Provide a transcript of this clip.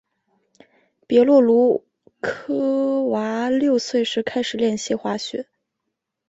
别洛鲁科娃六岁时开始练习滑雪。